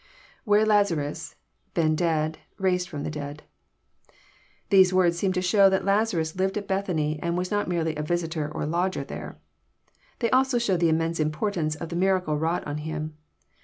{Where Lazarus,., been dead,,. raised from the dead,"] These words seem to show that Lazarus lived at Bethany, and was not merely a visitor or lodger there. They also show the immense Importance of the miracle wrought on him.